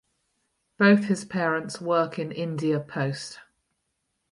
Both his parents work in India Post.